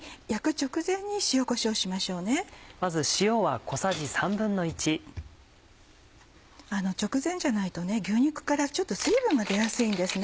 直前じゃないと牛肉から水分が出やすいんですね。